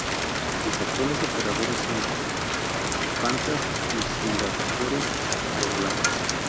Sus actuales operadores son: Qantas y Singapore Airlines.